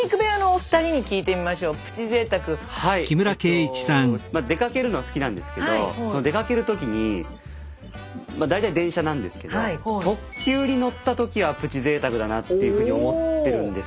えっと出かけるのは好きなんですけどその出かける時に大体電車なんですけど特急に乗ったときは「プチぜいたく」だなっていうふうに思ってるんです。